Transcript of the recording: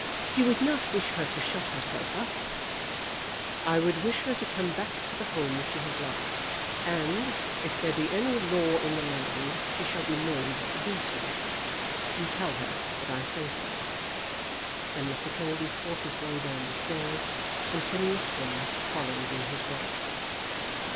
"You would not wish her to shut herself up." "I would wish her to come back to the home that she has left, and, if there be any law in the land, she shall be made to do so. You tell her that I say so." Then Mr. Kennedy fought his way down the stairs, and Phineas Finn followed in his wake.